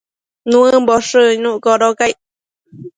Nuëmboshë icnuc codoca